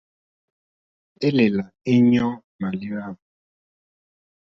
Élèlà éɲɔ̂ màléwá.